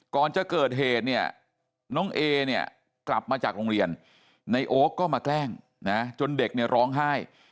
ก่อนจะเกิดเหตุเนี่ยน้องเอเนี่ยกลับมาจากโรงเรียนในโอ๊คก็มาแกล้งนะจนเด็กเนี่ยร้องไห้